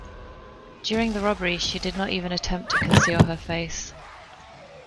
During the robbery, she did not even attempt to conceal her face.